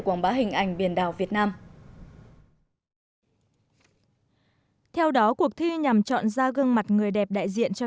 quảng bá hình ảnh biển đảo việt nam theo đó cuộc thi nhằm chọn ra gương mặt người đẹp đại diện cho